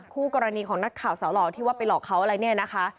คู่กรณีของนักข่าวสาวหล่อที่ว่าไปหลอกเขาอะไรเนี่ยนะคะ